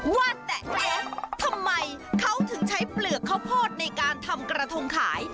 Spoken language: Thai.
ว่าแต่เจ๊ทำไมเขาถึงใช้เปลือกข้าวโพดในการทำกระทงขาย